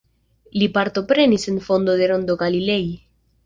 Li partoprenis en fondo de Rondo Galilei.